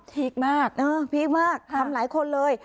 พีคมากเออพีคมากครับทำหลายคนเลย